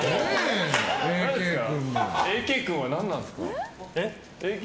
Ａ．Ｋ君は何なんですか。